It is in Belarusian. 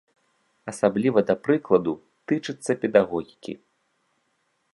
Асабліва, да прыкладу, тычыцца педагогікі.